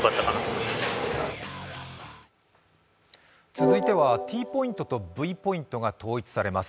続いてはＴポイントとＶポイントが統一されます。